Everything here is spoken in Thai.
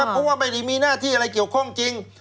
เพราะว่าไม่ได้มีหน้าที่อะไรเกี่ยวข้องจริง